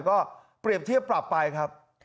ก็เปรียบเทียบปรับไปครับ